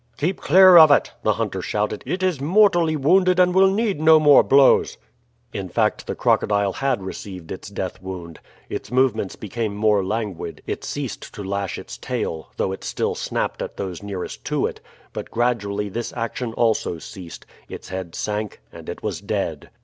"Keep clear of it!" the hunter shouted. "It is mortally wounded and will need no more blows." In fact, the crocodile had received its death wound. Its movements became more languid, it ceased to lash its tail, though it still snapped at those nearest to it, but gradually this action also ceased, its head sank, and it was dead.